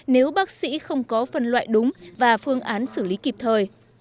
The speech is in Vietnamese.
nếu bác sĩ không có phân loại đúng và phương án xử lý kịp thời